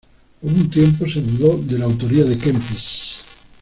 Por un tiempo se dudó de la autoría de Kempis.